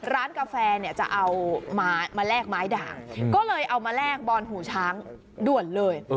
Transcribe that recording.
ร้านกาแฟจะเอามาแรกไม้ด่างก็เลยเอามาแรกบอนหูช้างด้วยเลย